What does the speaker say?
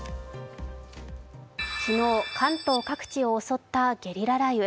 昨日、関東各地を襲ったゲリラ雷雨。